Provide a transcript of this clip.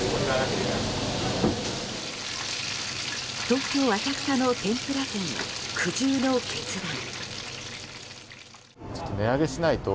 東京・浅草の天ぷら店は苦渋の決断。